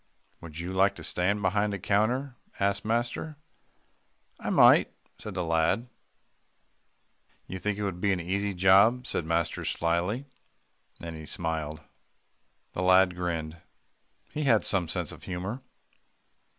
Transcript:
"Would you like to stand behind a counter?" asked master. "I might," said the lad. "You think it would be an easy job?" said master slyly. Then he smiled. The lad grinned. He had some sense of humour.